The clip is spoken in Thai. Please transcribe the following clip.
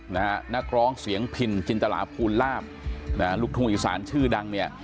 นักร้องเสียงผินจินตลาภูณลาบลุคธงวิสานชื่อดัง